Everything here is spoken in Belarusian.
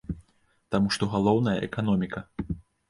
Таму што галоўнае эканоміка!